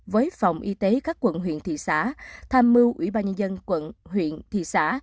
với phòng y tế các quận huyện thị xã tham mưu ủy ban nhân dân quận huyện thị xã